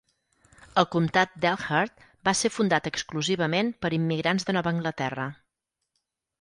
El comtat d'Elkhart va ser fundat exclusivament per immigrants de Nova Anglaterra.